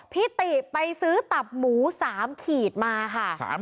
ติไปซื้อตับหมู๓ขีดมาค่ะ